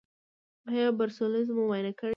ایا بروسلوز مو معاینه کړی دی؟